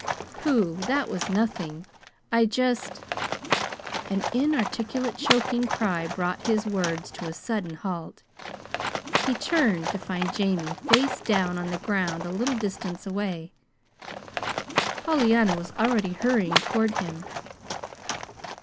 "Pooh! That was nothing. I just " An inarticulate choking cry brought his words to a sudden halt. He turned to find Jamie face down on the ground, a little distance away. Pollyanna was already hurrying toward him.